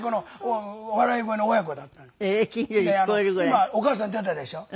今お母さん出たでしょ？